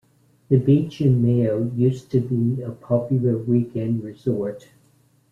The beach in Mayo used to be a popular weekend resort.